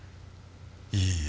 いいえ。